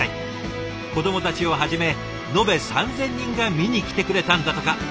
子どもたちをはじめ延べ３，０００人が見に来てくれたんだとか。